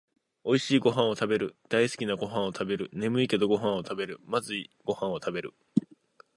おいしいごはんをたべる、だいすきなごはんをたべる、ねむいけどごはんをたべる、まずいごはんをたべる